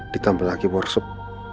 ditambah lagi warsup